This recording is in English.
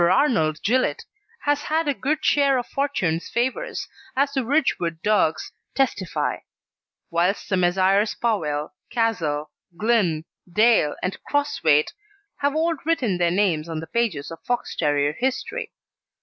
Arnold Gillett has had a good share of fortune's favours, as the Ridgewood dogs testify; whilst the Messrs. Powell, Castle, Glynn, Dale, and Crosthwaite have all written their names on the pages of Fox terrier history.